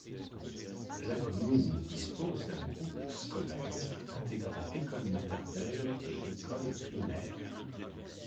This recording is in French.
La commune dispose d'un groupe scolaire intégrant école maternelle et école primaire.